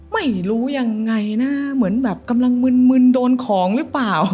ไม่รู้ยังไงนะเหมือนแบบกำลังมึนโดนของหรือเปล่า